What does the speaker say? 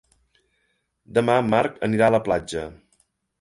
Demà en Marc anirà a la platja.